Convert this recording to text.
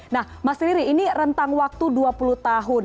nah mas riri ini rentang waktu dua puluh tahun